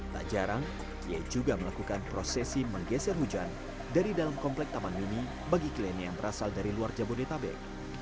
tak jarang ia juga melakukan prosesi menggeser hujan dari dalam komplek taman mini bagi kliennya yang berasal dari luar jabodetabek